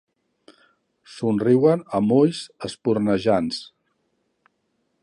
Somriuen amb ulls espurnejants.